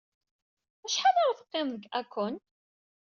Acḥal ara teqqimed deg Hakone?